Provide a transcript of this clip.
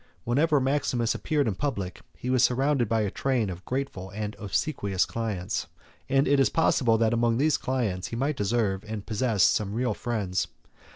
Whenever Maximus appeared in public, he was surrounded by a train of grateful and obsequious clients; 2 and it is possible that among these clients, he might deserve and possess some real friends.